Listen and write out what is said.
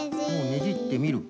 ねじってみる。